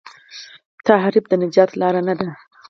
تحریف د نجات لار نه ده.